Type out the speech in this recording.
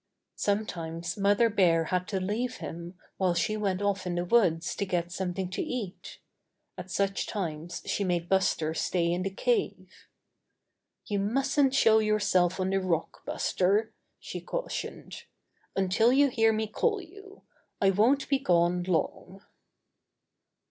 Sometimes Mother Bear had to leave him while she went off in the woods to get some thing to eat. At such times she made Buster stay in the cave. "You mustn't show yourself on the rock, Buster," she cautioned, "until you hear me call you. I won't be gone long."